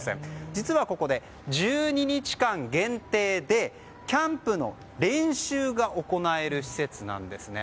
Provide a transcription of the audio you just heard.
実は、ここで１２日間限定でキャンプの練習が行える施設なんですね。